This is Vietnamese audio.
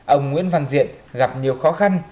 ông nguyễn văn diện gặp nhiều khó khăn